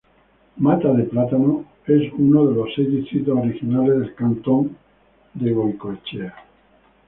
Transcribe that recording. Mata de Plátano es uno de los seis distritos originales del cantón de Goicoechea.